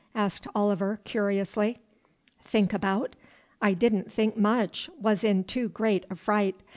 asked Oliver curiously. "Think about? I didn't think much, was in too great a fright.